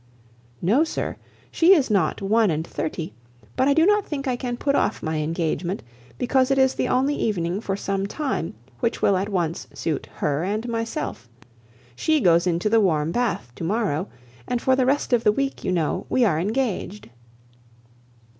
"No, sir, she is not one and thirty; but I do not think I can put off my engagement, because it is the only evening for some time which will at once suit her and myself. She goes into the warm bath to morrow, and for the rest of the week, you know, we are engaged."